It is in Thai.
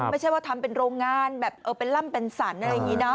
ไม่ใช่ว่าทำเป็นโรงงานแบบเออเป็นล่ำเป็นสรรอะไรอย่างนี้เนอ